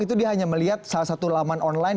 itu dia hanya melihat salah satu laman online